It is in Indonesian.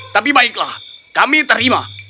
tapi baiklah kami terima